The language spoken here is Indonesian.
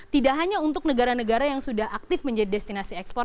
tidak hanya untuk negara negara yang sudah aktif menjadi destinasi ekspor